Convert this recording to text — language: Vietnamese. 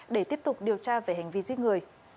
để tiếp tục điều tra về hành vi giết người